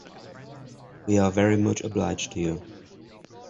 We are very much obliged to you!